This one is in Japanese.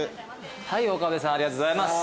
はい岡部さんありがとうございます。